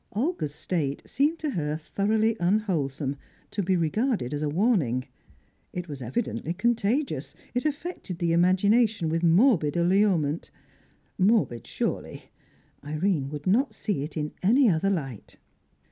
Olga's state seemed to her thoroughly unwholesome, to be regarded as a warning; it was evidently contagious; it affected the imagination with morbid allurement. Morbid, surely; Irene would not see it in any other light.